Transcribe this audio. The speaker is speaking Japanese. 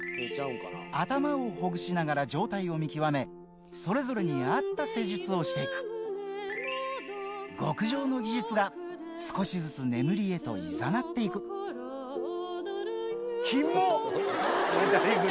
頭をほぐしながら状態を見極めそれぞれに合った施術をして行く極上の技術が少しずつ眠りへといざなって行くキモっ！